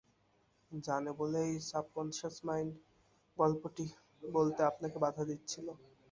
জানে বলেই subconscious mind গল্পটি বলতে আপনাকে বাধা দিচ্ছিল।